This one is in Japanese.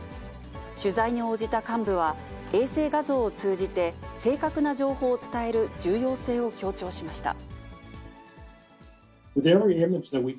取材に応じた幹部は、衛星画像を通じて正確な情報を伝える重要性を強調しました。